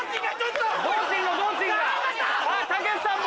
たけしさんも！